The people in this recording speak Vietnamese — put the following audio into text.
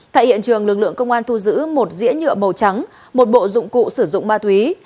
tại hiện trường lực lượng công an thu giữ một dĩa nhựa màu trắng một bộ dụng cụ sử dụng ma túy